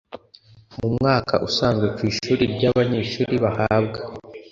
Mu mwaka usanzwe ku ishuri rya abanyeshuri bahabwa